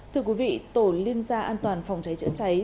thưa quý vị tổ liên gia an toàn phòng cháy chữa cháy